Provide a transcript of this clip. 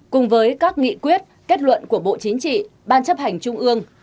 cùng với các nghị quyết kết luận của bộ chính trị ban chấp hành trung ương